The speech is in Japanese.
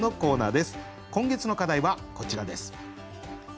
今月の課題はこちらです。